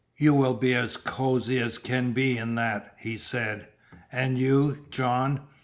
"You will be as cozy as can be in that," he said. "And you, John?"